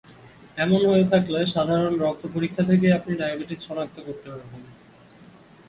এমন হয়ে থাকলে সাধারণ রক্ত পরীক্ষা থেকেই আপনি ডায়াবেটিস শনাক্ত করতে পারবেন।